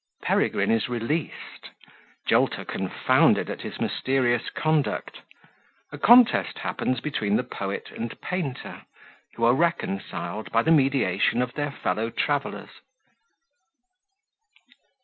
Peregrine is released Jolter confounded at his mysterious Conduct A Contest happens between the Poet and Painter, who are reconciled by the Mediation of their Fellow Travellers.